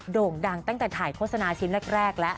โด่งดังตั้งแต่ถ่ายโฆษณาชิ้นแรกแล้ว